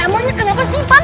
emangnya kenapa si ipan